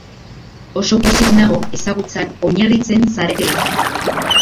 Oso pozik nago ezagutzan oinarritzen zaretelako.